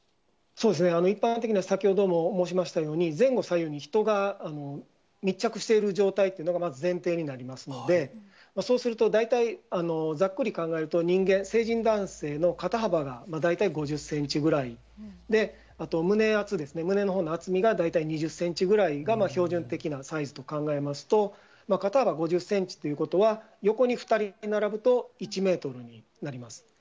一般的には先ほども申しましたように、前後左右に人が密着している状態っていうのが、まず前提になりますので、そうすると、大体ざっくり考えると、人間、成人男性の肩幅が大体５０センチぐらい、あと、胸厚ですね、胸のほうの厚みが大体２０センチぐらいが標準的なサイズと考えますと、肩幅５０センチということは、横に２人並ぶと１メートルになります。